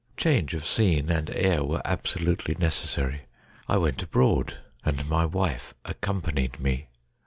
Change of scene and air were absolutely necessary. I went abroad, and my wife accompanied me.